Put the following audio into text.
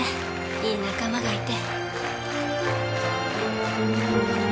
いい仲間がいて。